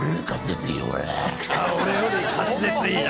俺より滑舌いいな。